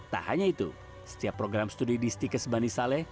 tak hanya itu setiap program studi di stikes bani saleh